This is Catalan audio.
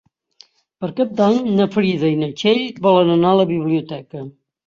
Per Cap d'Any na Frida i na Txell volen anar a la biblioteca.